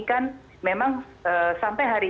kan memang sampai hari